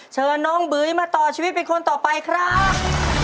เชิญน้องบุ๋ยมาต่อชีวิตเป็นคนต่อไปครับ